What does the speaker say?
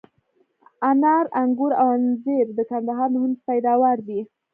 انار، آنګور او انځر د کندهار مهم پیداوار دي.